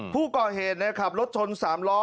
ผู้ก่อเหตุขับรถชน๓ล้อ